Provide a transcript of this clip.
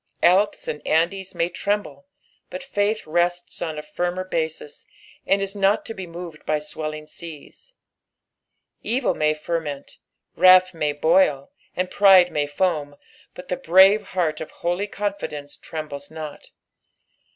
^' Alps and Andes may tremble, but faith rests on a firmer basis, and is not to be moved by swelling aeaa. Evil may ferment, wrath may boil, and pride may foam, but the brave heart of holy confidence trembles not.